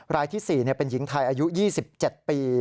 รายที่๔เป็นหญิงไทยอายุ๒๗ปี